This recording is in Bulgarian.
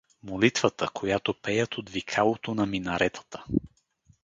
Молитвата, която пеят от викалото на минаретата.